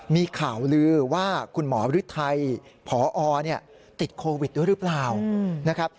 มีข่าวลือว่าคุณหมอฤทัยพอติดโควิดด้วยหรือเปล่านะครับ